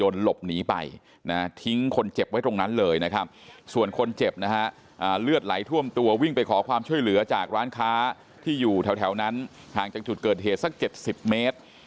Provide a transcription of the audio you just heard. หลบหนีไปนะทิ้งคนเจ็บไว้ตรงนั้นเลยนะครับส่วนคนเจ็บนะฮะเลือดไหลท่วมตัววิ่งไปขอความช่วยเหลือจากร้านค้าที่อยู่แถวนั้นห่างจากจุดเกิดเหตุสัก๗๐เมตร